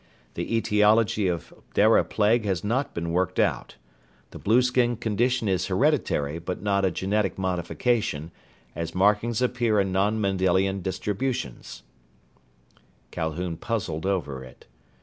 The etiology of Dara plague has not been worked out. The blueskin condition is hereditary but not a genetic modification, as markings appear in non Mendelian distributions_." Calhoun puzzled over it.